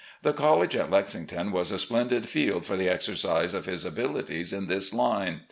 The college at Lexington was a splendid field for the exercise of his abilities in this line.